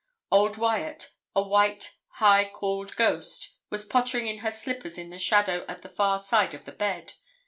Old Wyat, a white, high cauled ghost, was pottering in her slippers in the shadow at the far side of the bed.